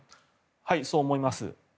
はい、そう思います。